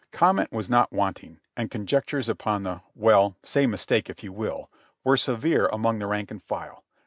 Comment was not wanting, and conjectures upon the — well, say mistake if you will, were severe among the rank and file.